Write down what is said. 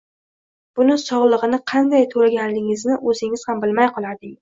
buni solig‘ini qanday to‘laganingizni o‘zingiz ham bilmay qolardingiz.